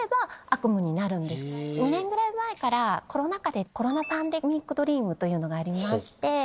２年ぐらい前からコロナ禍でコロナ・パンデミック・ドリームというのがありまして。